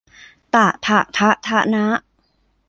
ฏะฐะฑะฒะณะ